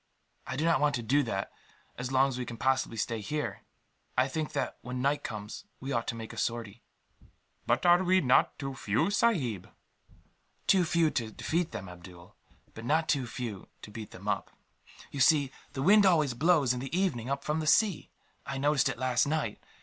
"I do not want to do that, as long as we can possibly stay here. I think that, when night comes, we ought to make a sortie." "But are we not too few, sahib?" "Too few to defeat them, Abdool, but not too few to beat them up. You see, the wind always blows, in the evening, up from the sea. I noticed it last night.